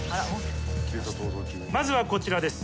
まずはこちらです。